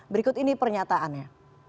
berikut ini pernyataannya